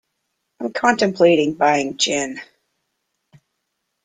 I’m contemplating buying gin.